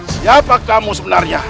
siapa kamu sebenarnya